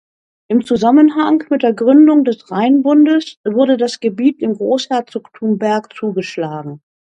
Im Zusammenhang mit der Gründung des Rheinbundes wurde das Gebiet dem Großherzogtum Berg zugeschlagen.